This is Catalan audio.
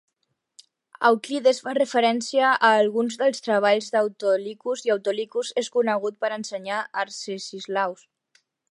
Euclides fa referència a alguns dels treballs d'Autolycus, i Autolycus és conegut per ensenyar a Arcesilaus.